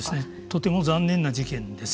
とても残念な事件です。